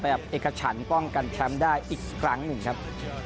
เอกฉันป้องกันแชมป์ได้อีกครั้งหนึ่งครับ